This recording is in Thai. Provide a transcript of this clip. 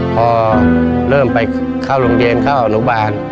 พอเริ่มไปเข้าโรงเรียนเข้าอนุบาล